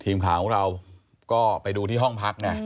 ทีมข่าวของเราก็ไปดูที่ห้องพักนะ